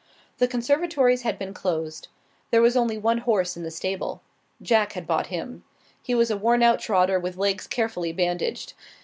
The conservatories had been closed. There was only one horse in the stable. Jack had bought him. He was a wornout trotter with legs carefully bandaged.